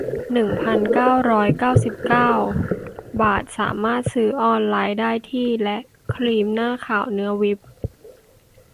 หนึ่งพันเก้าร้อยเก้าสิบเก้า บาท สามารถซื้อออนไลน์ได้ที่ และ ครีมหน้าขาวเนื้อวิป